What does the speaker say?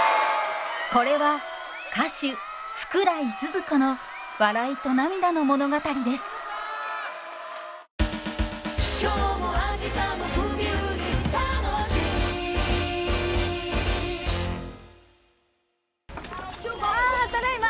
これは歌手福来スズ子の笑いと涙の物語ですあただいま。